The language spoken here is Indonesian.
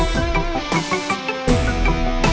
mau memastikan kalau